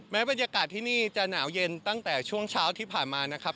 บรรยากาศที่นี่จะหนาวเย็นตั้งแต่ช่วงเช้าที่ผ่านมานะครับ